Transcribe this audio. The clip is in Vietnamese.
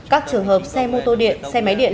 các trường hợp xe mô tô điện xe máy điện